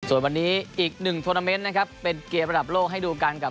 ส่วนวันนี้อีกหนึ่งทวนาเมนต์นะครับเป็นเกมระดับโลกให้ดูกันกับ